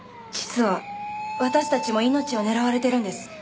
実は私たちも命を狙われてるんです。